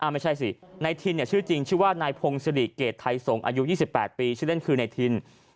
ไม่ใช่สินายทินชื่อจริงชื่อว่านายพงศิริเกรดไทยสงศ์อายุ๒๘ปีชื่อเล่นคือนายทิน